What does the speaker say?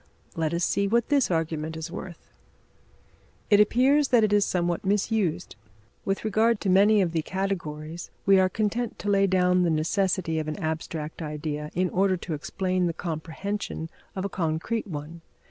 Let us see what this argument is worth. It appears that it is somewhat misused. With regard to many of the categories, we are content to lay down the necessity of an abstract idea in order to explain the comprehension of a concrete one.